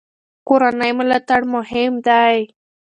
کورنۍ ملاتړ مهم دی.